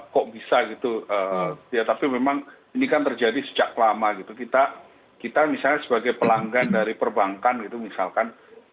kok bisa gitu ya tapi memang ini kan terjadi sejak lama gitu kita misalnya sebagai pelanggan dari perbankan gitu misalkan